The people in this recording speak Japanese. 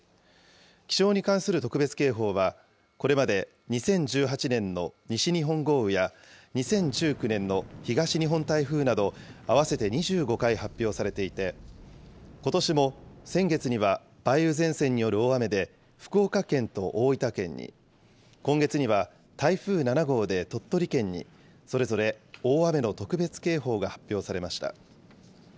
気象に関する特別警報は、これまで２０１８年の西日本豪雨や、２０１９年の東日本台風など、合わせて２５回発表されていて、ことしも先月には梅雨前線による大雨で、福岡県と大分県に、今月には台風７号で鳥取県に、それぞれ大雨の特別警報が発表されました。